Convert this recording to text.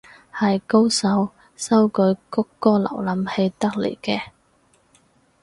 係高手修改谷歌瀏覽器得嚟嘅